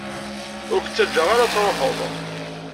Ur k-ttaǧǧaɣ ara ad truḥeḍ.